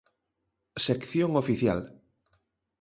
Sección oficial.